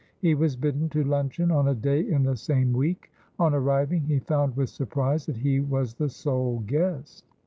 He was bidden to luncheon on a day in the same week. On arriving, he found with surprise that he was the sole guest.